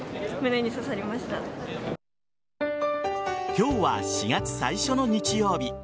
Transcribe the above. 今日は４月最初の日曜日。